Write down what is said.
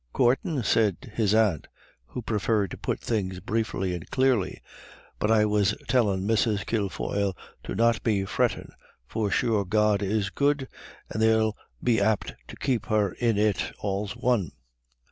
"Coortin'," said his aunt, who preferred to put things briefly and clearly. "But I was tellin' Mrs. Kilfoyle to not be frettin', for sure God is good, and they'll be apt to keep her in it all's one."